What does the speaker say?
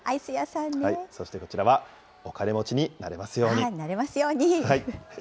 そしてこちらは、お金持ちになれますように。